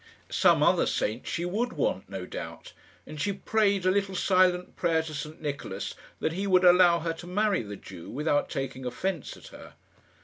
Some other saint she would want, no doubt, and she prayed a little silent prayer to St Nicholas, that he would allow her to marry the Jew without taking offence at her.